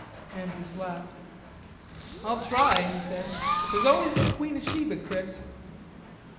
Andrews laughed. "I'll try," he said. "But there's always the Queen of Sheba, Chris."